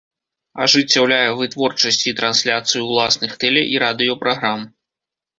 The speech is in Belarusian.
Ажыццяўляе вытворчасць і трансляцыю ўласных тэле- і радыёпраграм.